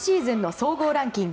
総合ランキング